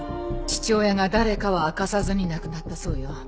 父親が誰かは明かさずに亡くなったそうよ。